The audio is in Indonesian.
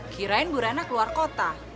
kirain bu rana keluar kota